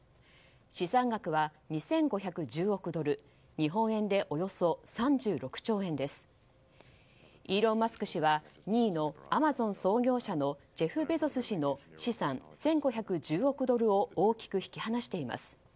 資産額は２５１０億ドル日本円でおよそ３６兆円です。イーロン・マスク氏は２位のアマゾン創業者のジェフ・ベゾス氏の資産１５１０億円を大きく引き離しています。